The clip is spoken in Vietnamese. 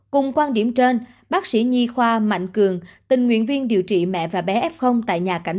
cùng quan điểm trên bác sĩ nhi khoa mạnh cường tình nguyện viên điều trị mẹ và bé f tại nhà cảnh